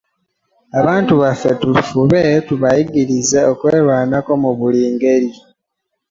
Abantu baffe tufube tubayigirize okwerwanako mu buli ngeri.